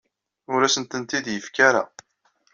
Ur asen-tent-id-yefki ara.